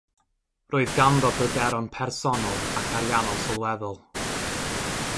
Roedd ganddo bryderon personol ac ariannol sylweddol.